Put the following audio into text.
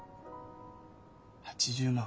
８０万。